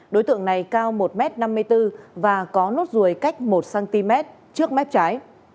đối tượng này cao một m năm mươi bốn và có nốt ruồi cách một cm trước mép trái